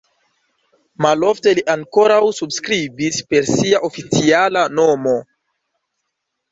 Malofte li ankoraŭ subskribis per sia oficiala nomo.